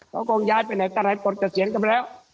เขาก็ย้ายไปไหนตลายปลดกับเสียงกันไปแล้ว